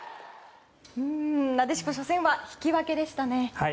なでしこ初戦は引き分けでしたね。